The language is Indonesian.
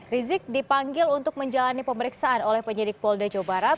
rizik dipanggil untuk menjalani pemeriksaan oleh penyidik polda jawa barat